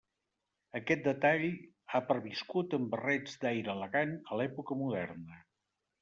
Aquest detall ha perviscut en barrets d'aire elegant a l'època moderna.